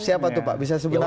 siapa itu pak bisa sebut nama